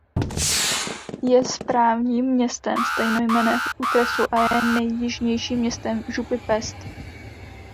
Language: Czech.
Je správním městem stejnojmenného okresu a je nejjižnějším městem župy Pest.